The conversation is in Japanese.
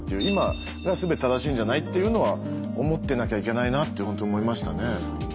今がすべて正しいんじゃないっていうのは思ってなきゃいけないなってほんと思いましたね。